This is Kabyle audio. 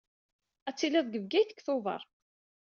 Ad tiliḍ deg Bgayet deg Tubeṛ.